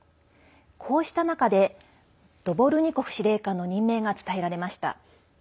こうした中でドボルニコフ司令官の任命が伝えられました。